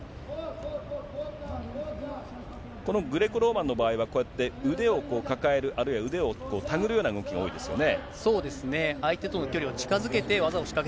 このグレコローマンの場合は、こうやって腕を抱える、あるいは腕を手繰るような動きが多いですよね。